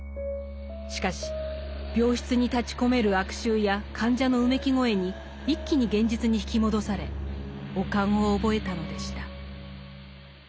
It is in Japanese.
しかし病室に立ちこめる悪臭や患者のうめき声に一気に現実に引き戻され悪寒を覚えたのでした。